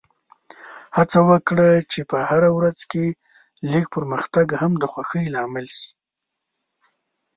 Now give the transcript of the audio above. هڅه وکړه چې په هره ورځ کې لږ پرمختګ هم د خوښۍ لامل شي.